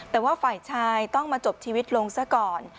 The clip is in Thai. แต่ว่าฝ่ายชายต้องมาจบชีวิตลงซะก่อน